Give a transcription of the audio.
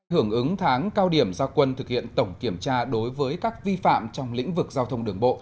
hưởng ứng tháng cao điểm gia quân thực hiện tổng kiểm tra đối với các vi phạm trong lĩnh vực giao thông đường bộ